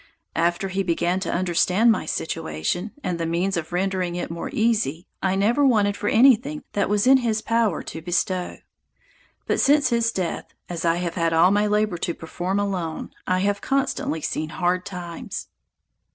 After he began to understand my situation, and the means of rendering it more easy, I never wanted for anything that was in his power to bestow; but since his death, as I have had all my labor to perform alone, I have constantly seen hard times.